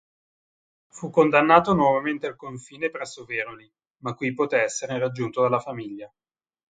Fu condannato nuovamente al confino presso Veroli ma qui poté essere raggiunto dalla famiglia.